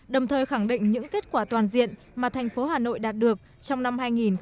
đồng thời khẳng định những kết quả toàn diện mà thành phố hà nội đạt được trong năm hai nghìn một mươi chín